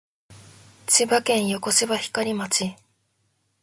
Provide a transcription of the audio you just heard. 千葉県横芝光町